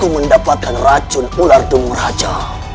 untuk mendapatkan racun ular dumur raja